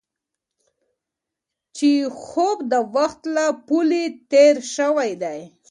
چیخوف د وخت له پولې تېر شوی دی.